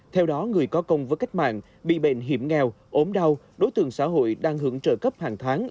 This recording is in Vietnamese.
theo đó người có công với cách mạng bị bệnh hiểm nghèo ốm đau đối tượng xã hội đang hưởng trợ cấp hàng tháng